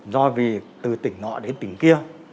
do vì từ tỉnh nọ đến tỉnh kia